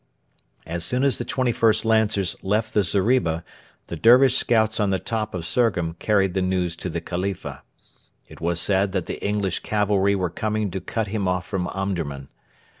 As soon as the 21st Lancers left the zeriba the Dervish scouts on the top of Surgham carried the news to the Khalifa. It was said that the English cavalry were coming to cut him off from Omdurman.